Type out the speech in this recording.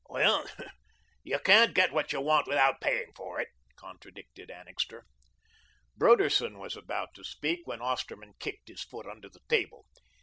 "Well, you can't get what you want without paying for it," contradicted Annixter. Broderson was about to speak when Osterman kicked his foot under the table.